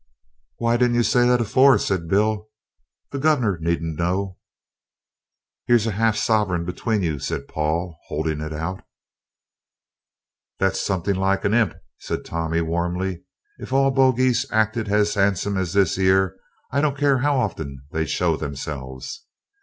"Why didn't you say that afore?" said Bill; "the Guv'nor needn't know." "Here's half a sovereign between you," said Paul, holding it out. "That's something like a imp," said Tommy warmly; "if all bogeys acted as 'andsome as this 'ere, I don't care how often they shows theirselves.